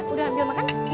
udah ambil makan